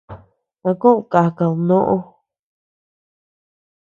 ¿A kod kàkad noʼo?